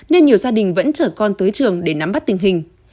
nên nhiều gia đình vẫn chở con tới trường để nắm bắt tình hình